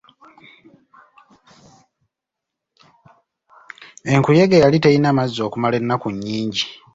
Enkuyege yali terina mazzi okumala ennaku nnyingi.